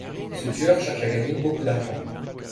Ce tueur cherche à gagner beaucoup d'argent.